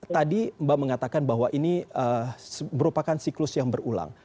tadi mbak mengatakan bahwa ini merupakan siklus yang berulang